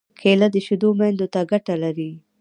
کېله د شېدو میندو ته ګټه لري.